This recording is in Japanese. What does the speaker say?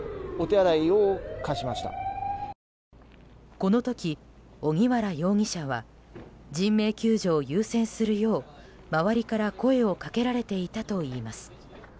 この時、荻原容疑者は人命救助を優先するよう周りから声を掛けられていたといいます。